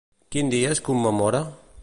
Quin dia es commemora?